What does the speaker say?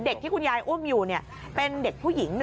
ที่คุณยายอุ้มอยู่เป็นเด็กผู้หญิง